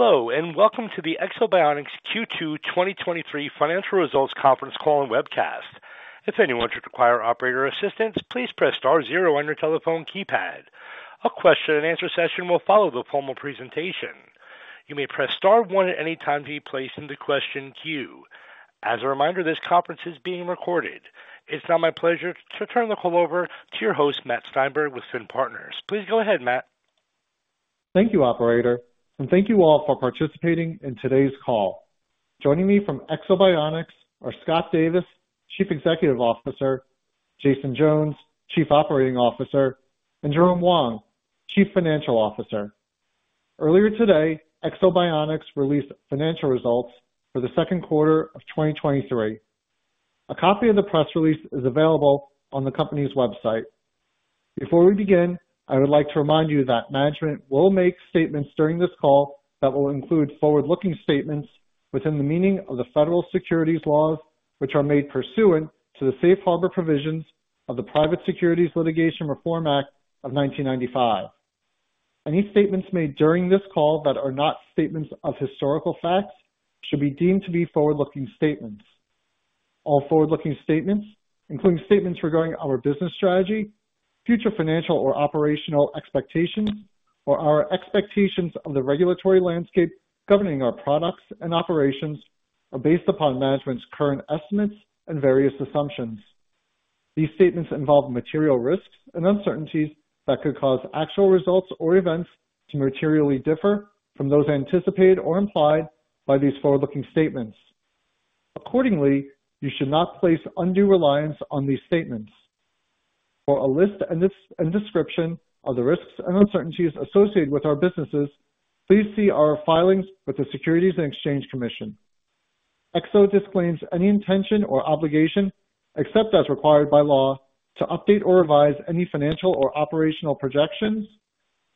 Hello, welcome to the Ekso Bionics Q2 2023 Financial Results Conference Call and Webcast. If anyone should require operator assistance, please press star zero on your telephone keypad. A question and answer session will follow the formal presentation. You may press star one at any time to be placed in the question queue. As a reminder, this conference is being recorded. It's now my pleasure to turn the call over to your host, Matt Steinberg, with Finn Partners. Please go ahead, Matt. Thank you, operator, and thank you all for participating in today's call. Joining me from Ekso Bionics are Scott Davis, Chief Executive Officer, Jason Jones, Chief Operating Officer, and Jerome Wong, Chief Financial Officer. Earlier today, Ekso Bionics released financial results for the Q2 of 2023. A copy of the press release is available on the company's website. Before we begin, I would like to remind you that management will make statements during this call that will include forward-looking statements within the meaning of the Federal securities laws, which are made pursuant to the safe harbor provisions of the Private Securities Litigation Reform Act of 1995. Any statements made during this call that are not statements of historical facts should be deemed to be forward-looking statements. All forward-looking statements, including statements regarding our business strategy, future financial or operational expectations, or our expectations of the regulatory landscape governing our products and operations, are based upon management's current estimates and various assumptions. These statements involve material risks and uncertainties that could cause actual results or events to materially differ from those anticipated or implied by these forward-looking statements. Accordingly, you should not place undue reliance on these statements. For a list and description of the risks and uncertainties associated with our businesses, please see our filings with the Securities and Exchange Commission. Ekso disclaims any intention or obligation, except as required by law, to update or revise any financial or operational projections,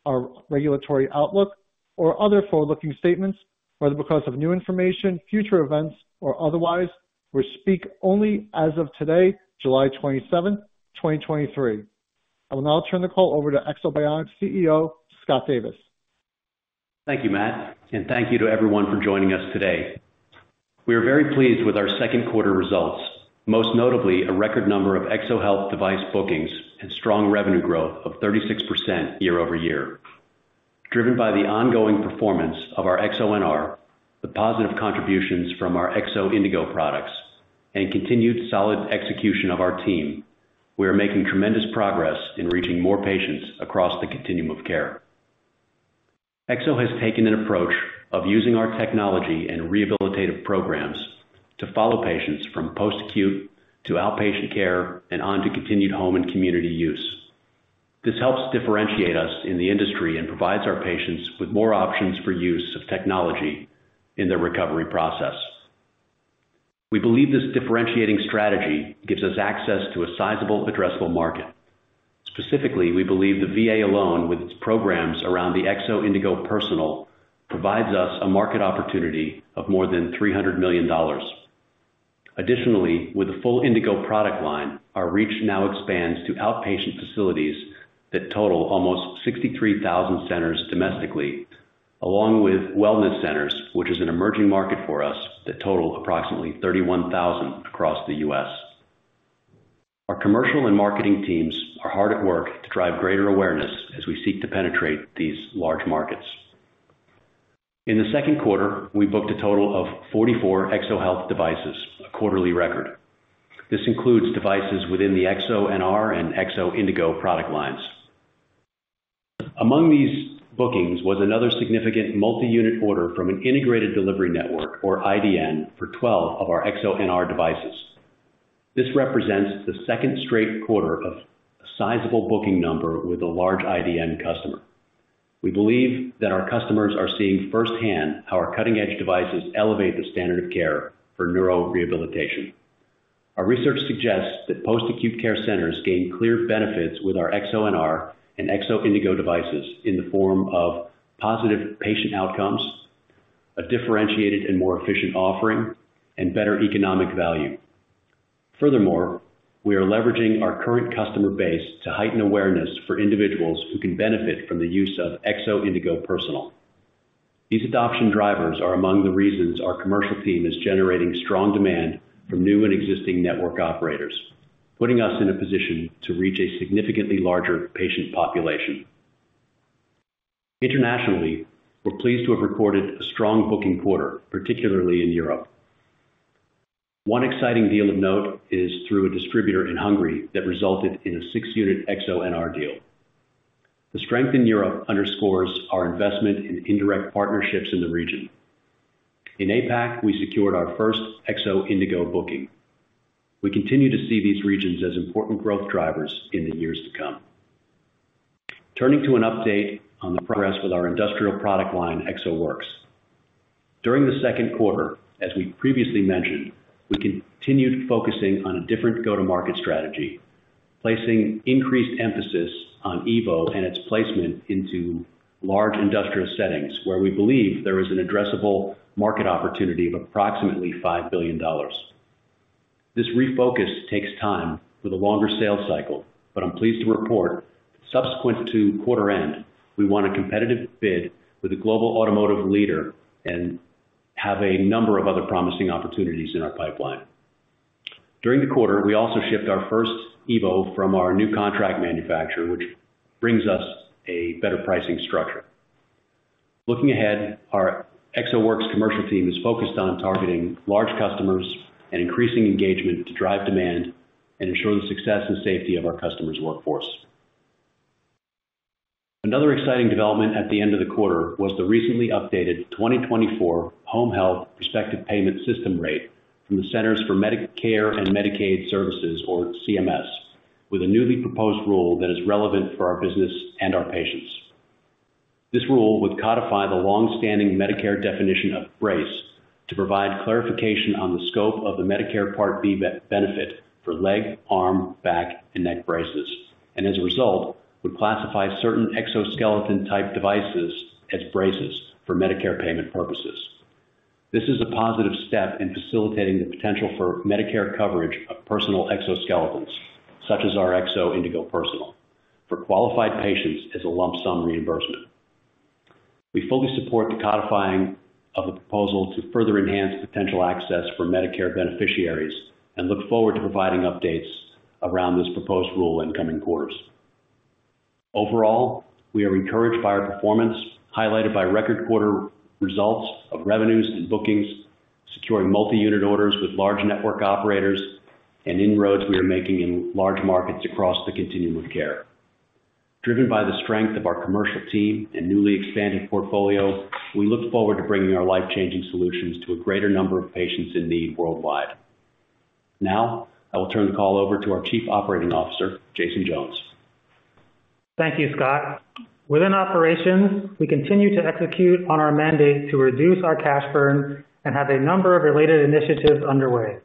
or regulatory outlook, or other forward-looking statements, whether because of new information, future events, or otherwise, which speak only as of today, July 27, 2023. I will now turn the call over to Ekso Bionics' CEO, Scott Davis. Thank you, Matt, and thank you to everyone for joining us today. We are very pleased with our Q2 results, most notably a record number of EksoHealth device bookings and strong revenue growth of 36% YoY. Driven by the ongoing performance of our EksoNR, the positive contributions from our Ekso Indego products, and continued solid execution of our team, we are making tremendous progress in reaching more patients across the continuum of care. Ekso has taken an approach of using our technology and rehabilitative programs to follow patients from post-acute to outpatient care and on to continued home and community use. This helps differentiate us in the industry and provides our patients with more options for use of technology in their recovery process. We believe this differentiating strategy gives us access to a sizable addressable market. Specifically, we believe the VA alone, with its programs around the Ekso Indego Personal, provides us a market opportunity of more than $300 million. Additionally, with a full Indego product line, our reach now expands to outpatient facilities that total almost 63,000 centers domestically, along with wellness centers, which is an emerging market for us, that total approximately 31,000 across the U.S. Our commercial and marketing teams are hard at work to drive greater awareness as we seek to penetrate these large markets. In the Q2, we booked a total of 44 EksoHealth devices, a quarterly record. This includes devices within the EksoNR and Ekso Indego product lines. Among these bookings was another significant multi-unit order from an integrated delivery network, or IDN, for 12 of our EksoNR devices. This represents the second straight quarter of a sizable booking number with a large IDN customer. We believe that our customers are seeing firsthand how our cutting-edge devices elevate the standard of care for neurorehabilitation. Our research suggests that post-acute care centers gain clear benefits with our EksoNR and Ekso Indego devices in the form of positive patient outcomes, a differentiated and more efficient offering, and better economic value. Furthermore, we are leveraging our current customer base to heighten awareness for individuals who can benefit from the use of Ekso Indego Personal. These adoption drivers are among the reasons our commercial team is generating strong demand from new and existing network operators, putting us in a position to reach a significantly larger patient population. Internationally, we're pleased to have recorded a strong booking quarter, particularly in Europe. One exciting deal of note is through a distributor in Hungary that resulted in a 6-unit EksoNR deal. The strength in Europe underscores our investment in indirect partnerships in the region. In APAC, we secured our first Ekso Indego booking. We continue to see these regions as important growth drivers in the years to come. Turning to an update on the progress with our industrial product line, EksoWorks. During the Q2, as we previously mentioned, we continued focusing on a different go-to-market strategy, placing increased emphasis on EVO and its placement into large industrial settings, where we believe there is an addressable market opportunity of approximately $5 billion. This refocus takes time with a longer sales cycle, but I'm pleased to report, subsequent to quarter end, we won a competitive bid with a global automotive leader and have a number of other promising opportunities in our pipeline. During the quarter, we also shipped our first EVO from our new contract manufacturer, which brings us a better pricing structure. Looking ahead, our EksoWorks commercial team is focused on targeting large customers and increasing engagement to drive demand and ensure the success and safety of our customers' workforce. Another exciting development at the end of the quarter was the recently updated 2024 Home Health Prospective Payment System rate from the Centers for Medicare & Medicaid Services, or CMS, with a newly proposed rule that is relevant for our business and our patients. This rule would codify the long-standing Medicare definition of brace to provide clarification on the scope of the Medicare Part B benefit for leg, arm, back, and neck braces, and as a result, would classify certain exoskeleton-type devices as braces for Medicare payment purposes. This is a positive step in facilitating the potential for Medicare coverage of personal exoskeletons, such as our Ekso Indego Personal, for qualified patients as a lump sum reimbursement. We fully support the codifying of the proposal to further enhance potential access for Medicare beneficiaries and look forward to providing updates around this proposed rule in coming quarters. Overall, we are encouraged by our performance, highlighted by record quarter results of revenues and bookings, securing multi-unit orders with large network operators and inroads we are making in large markets across the continuum of care. Driven by the strength of our commercial team and newly expanded portfolio, we look forward to bringing our life-changing solutions to a greater number of patients in need worldwide. Now, I will turn the call over to our Chief Operating Officer, Jason Jones. Thank you, Scott. Within operations, we continue to execute on our mandate to reduce our cash burn and have a number of related initiatives underway.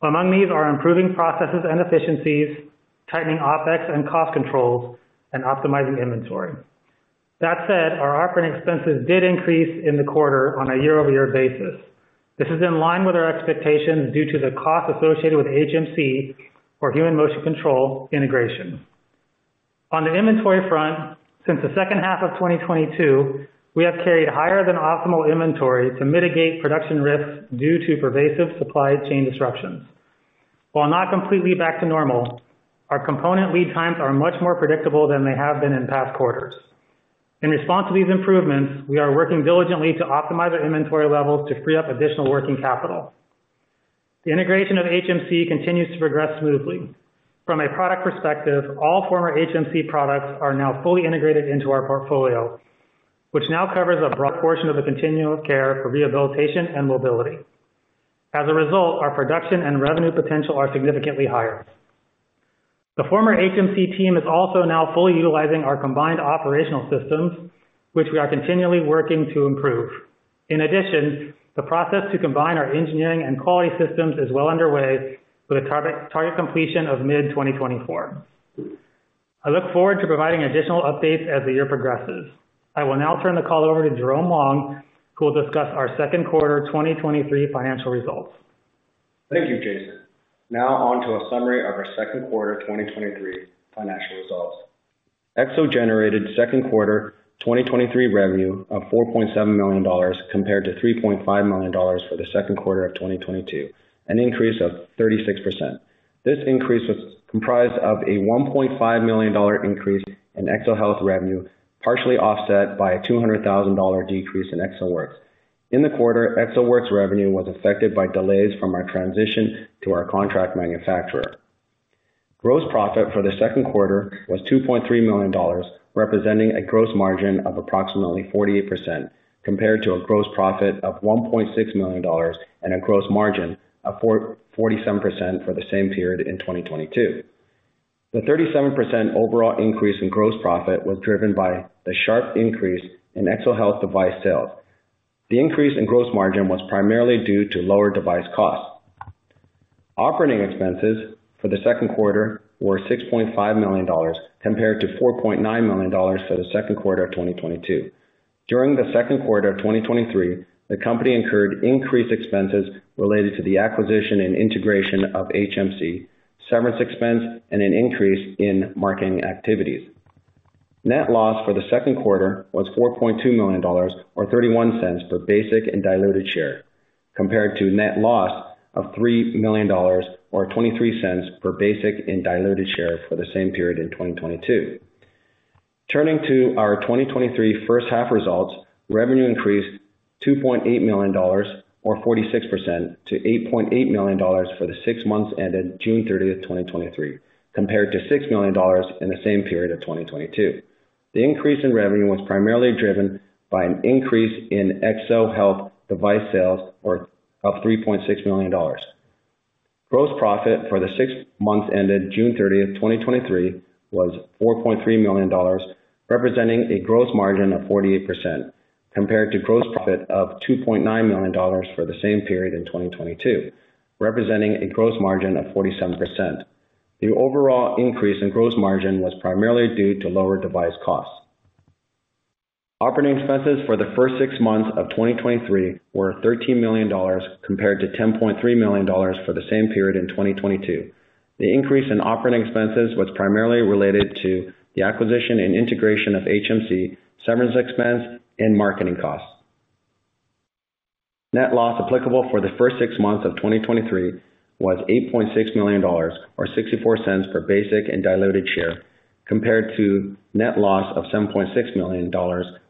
Among these are improving processes and efficiencies, tightening OpEx and cost controls, and optimizing inventory. That said, our operating expenses did increase in the quarter on a YoY basis. This is in line with our expectations due to the costs associated with HMC, or Human Motion and Control, integration. On the inventory front, since the second half of 2022, we have carried higher than optimal inventory to mitigate production risks due to pervasive supply chain disruptions. While not completely back to normal, our component lead times are much more predictable than they have been in past quarters. In response to these improvements, we are working diligently to optimize our inventory levels to free up additional working capital. The integration of HMC continues to progress smoothly. From a product perspective, all former HMC products are now fully integrated into our portfolio, which now covers a broad portion of the continuum of care for rehabilitation and mobility. As a result, our production and revenue potential are significantly higher. The former HMC team is also now fully utilizing our combined operational systems, which we are continually working to improve. The process to combine our engineering and quality systems is well underway, with a target completion of mid-2024. I look forward to providing additional updates as the year progresses. I will now turn the call over to Jerome Wong, who will discuss our Q2 2023 financial results. Thank you, Jason. Now on to a summary of our Q2 2023 financial results. Ekso generated Q2 2023 revenue of $4.7 million, compared to $3.5 million for the Q2 of 2022, an increase of 36%. This increase was comprised of a $1.5 million increase in EksoHealth revenue, partially offset by a $200,000 decrease in EksoWorks. In the quarter, EksoWorks revenue was affected by delays from our transition to our contract manufacturer. Gross profit for the Q2 was $2.3 million, representing a gross margin of approximately 48%, compared to a gross profit of $1.6 million and a gross margin of 47% for the same period in 2022. The 37% overall increase in gross profit was driven by the sharp increase in EksoHealth device sales. The increase in gross margin was primarily due to lower device costs. Operating expenses for the Q2 were $6.5 million, compared to $4.9 million for the Q2 of 2022. During the Q2 of 2023, the company incurred increased expenses related to the acquisition and integration of HMC, severance expense, and an increase in marketing activities. Net loss for the Q2 was $4.2 million, or $0.31 per basic and diluted share, compared to net loss of $3 million, or $0.23 per basic and diluted share, for the same period in 2022. Turning to our 2023 first half results, revenue increased $2.8 million, or 46%, to $8.8 million for the six months ended June 30, 2023, compared to $6 million in the same period of 2022. The increase in revenue was primarily driven by an increase in EksoHealth device sales of $3.6 million. Gross profit for the six months ended June 30, 2023, was $4.3 million, representing a gross margin of 48%, compared to gross profit of $2.9 million for the same period in 2022, representing a gross margin of 47%. The overall increase in gross margin was primarily due to lower device costs. Operating expenses for the first six months of 2023 were $13 million, compared to $10.3 million for the same period in 2022. The increase in operating expenses was primarily related to the acquisition and integration of HMC, severance expense, and marketing costs. Net loss applicable for the first six months of 2023 was $8.6 million, or $0.64 per basic and diluted share, compared to net loss of $7.6 million,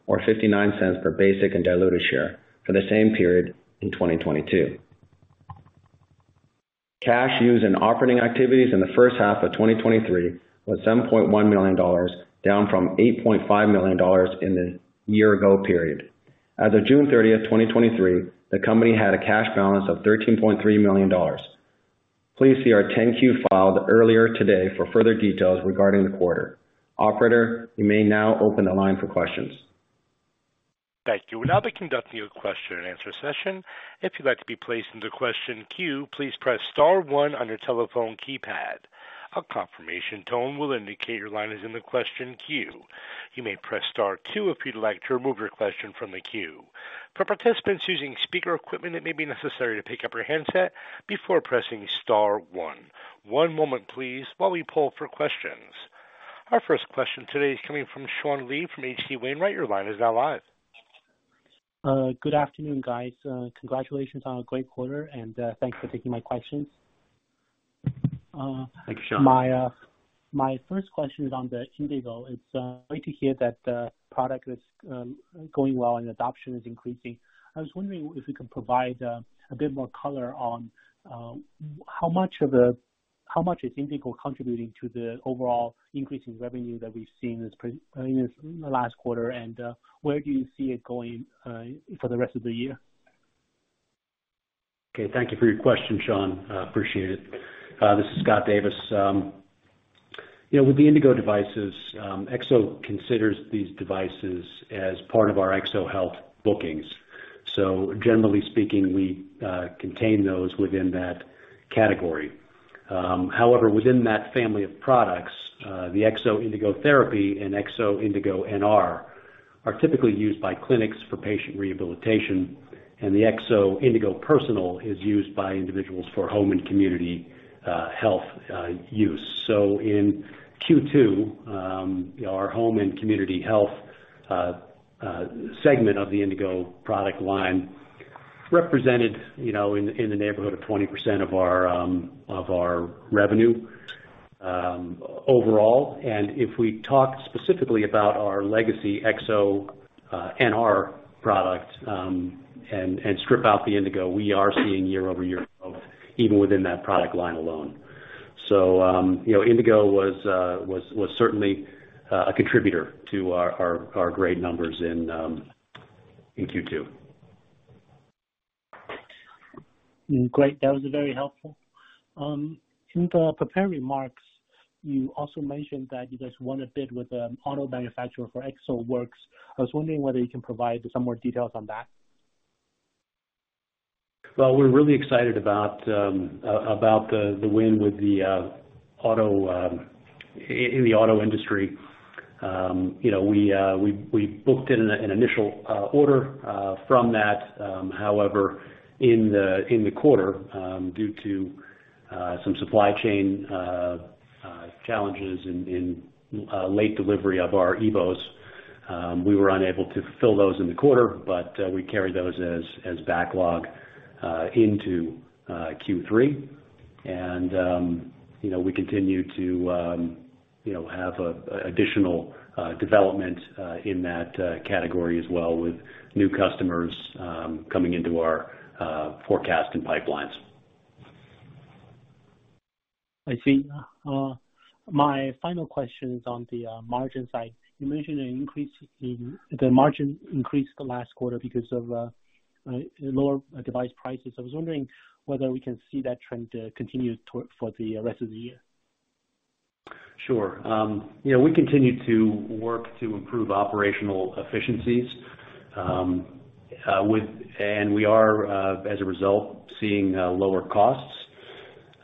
or $0.59 per basic and diluted share for the same period in 2022. Cash used in operating activities in the first half of 2023 was $7.1 million, down from $8.5 million in the year ago period. As of June 30, 2023, the company had a cash balance of $13.3 million. Please see our 10-Q filed earlier today for further details regarding the quarter. Operator, you may now open the line for questions. Thank you. We'll now be conducting a question and answer session. If you'd like to be placed in the question queue, please press star one on your telephone keypad. A confirmation tone will indicate your line is in the question queue. You may press star two if you'd like to remove your question from the queue. For participants using speaker equipment, it may be necessary to pick up your handset before pressing star one. One moment please, while we poll for questions. Our first question today is coming from Sean Lee from H.C. Wainwright. Your line is now live. Good afternoon, guys. Congratulations on a great quarter. Thanks for taking my questions. Thanks, Sean. My first question is on the Indego. It's great to hear that the product is going well and adoption is increasing. I was wondering if you could provide a bit more color on how much of the-how much is Indego contributing to the overall increase in revenue that we've seen this in this last quarter, and where do you see it going for the rest of the year? Okay, thank you for your question, Sean. I appreciate it. This is Scott Davis. You know, with the Indego devices, Ekso considers these devices as part of our EksoHealth bookings. Generally speaking, we contain those within that category. However, within that family of products, the Ekso Indego Therapy and EksoNR are typically used by clinics for patient rehabilitation, and the Ekso Indego Personal is used by individuals for home and community health use. In Q2, our home and community health segment of the Indego product line represented, you know, in the neighborhood of 20% of our revenue overall. If we talk specifically about our legacy Ekso EksoNR product, and strip out the Indego, we are seeing YoY growth even within that product line alone. You know, Indego was, was, was certainly, a contributor to our, our, great numbers in, in Q2. Great. That was very helpful. In the prepared remarks, you also mentioned that you guys won a bid with an auto manufacturer for EksoWorks. I was wondering whether you can provide some more details on that. Well, we're really excited about the win with the auto industry. You know, we, we booked in an initial order from that. However, in the quarter, due to some supply chain challenges in late delivery of our EVOs, we were unable to fulfill those in the quarter, but we carry those as backlog into Q3. You know, we continue to, you know, have additional development in that category as well, with new customers coming into our forecast and pipelines. I see. My final question is on the margin side. You mentioned an increase in the margin increased the last quarter because of lower device prices. I was wondering whether we can see that trend continue for the rest of the year. Sure. You know, we continue to work to improve operational efficiencies, and we are, as a result, seeing lower costs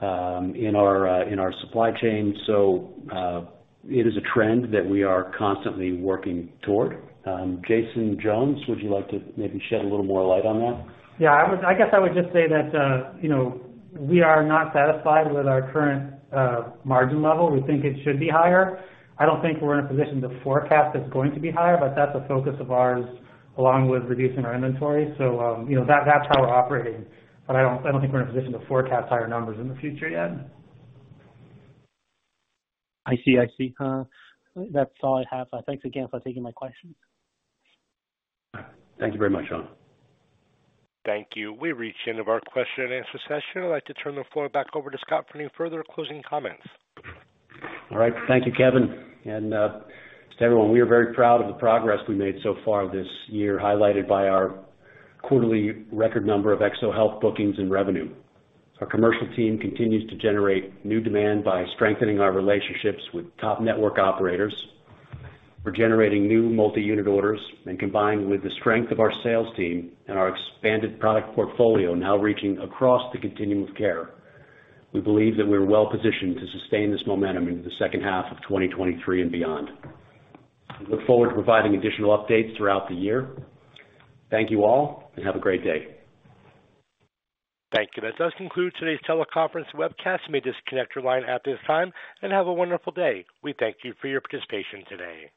in our supply chain. It is a trend that we are constantly working toward. Jason Jones, would you like to maybe shed a little more light on that? Yeah, I guess I would just say that, you know, we are not satisfied with our current margin level. We think it should be higher. I don't think we're in a position to forecast it's going to be higher, but that's a focus of ours, along with reducing our inventory. You know, that, that's how we're operating, but I don't, I don't think we're in a position to forecast higher numbers in the future yet. I see. I see. That's all I have. Thanks again for taking my questions. Thank you very much, Sean. Thank you. We've reached the end of our question and answer session. I'd like to turn the floor back over to Scott for any further closing comments. All right. Thank you, Kevin. To everyone, we are very proud of the progress we made so far this year, highlighted by our quarterly record number of EksoHealth bookings and revenue. Our commercial team continues to generate new demand by strengthening our relationships with top network operators. We're generating new multi-unit orders and combined with the strength of our sales team and our expanded product portfolio, now reaching across the continuum of care. We believe that we're well positioned to sustain this momentum into the second half of 2023 and beyond. We look forward to providing additional updates throughout the year. Thank you all, and have a great day. Thank you. That does conclude today's teleconference webcast. You may disconnect your line at this time. Have a wonderful day. We thank you for your participation today.